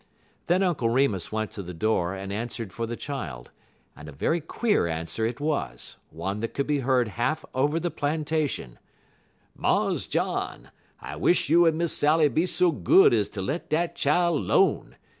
Then Uncle Remus went to the door and answered for the child; and a very queer answer it was one that could be heard half over the plantation: "Mars John, I wish you en Miss Sally be so good ez ter let dat chile 'lone.